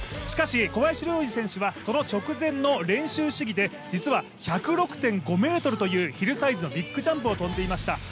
しかし、小林陵侑選手は、その直前の練習試技で実は１０６．５ｍというヒルサイズのビッグジャンプを飛んでいました。